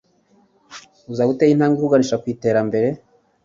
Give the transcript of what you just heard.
uzaba uteye intambwe ikuganisha ku iterambere.